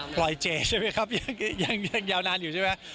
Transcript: ปล่อยเจใช่ไหมครับยังยาวนานอยู่ใช่ไหม